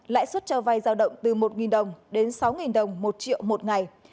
lãi suất cho vay giao động từ một đồng đến sáu đồng một triệu một ngày